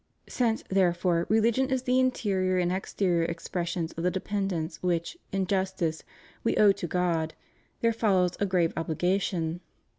Since, therefore, religion is the interior and exterior expression of the dependence which, in justice, we owe to God, there follows a grave obligation.